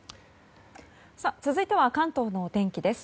続いては関東のお天気です。